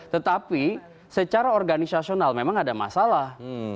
tetapi secara organisasional memang ada masalah